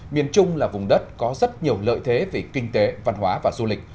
miền trung là vùng đất có rất nhiều lợi thế về kinh tế văn hóa và du lịch